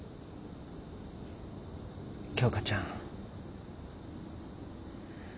京花ちゃん。